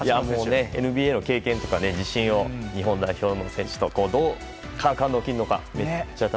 ＮＢＡの経験とか自信を日本代表の選手とどうかみ合っていくのか